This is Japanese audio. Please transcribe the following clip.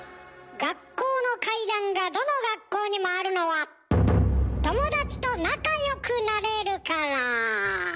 学校の怪談がどの学校にもあるのは友達と仲よくなれるから。